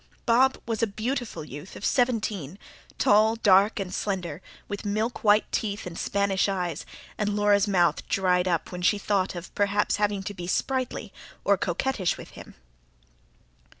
Bob was a beautiful youth of seventeen, tall, and dark, and slender, with milk white teeth and Spanish eyes; and Laura's mouth dried up when she thought of perhaps having to be sprightly or coquettish with him.